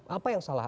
apa yang salah